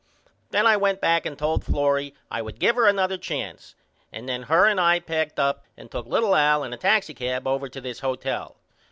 Then I went back and told Florrie I would give her another chance and then her and I packed up and took little Al in a taxicab over to this hotel.